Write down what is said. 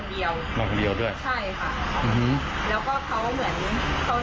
แล้วก็มาคนเดียวมาคนเดียวด้วยใช่ค่ะอื้อฮือแล้วก็เขาเหมือน